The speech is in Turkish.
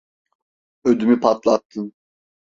Ödümü patlattın!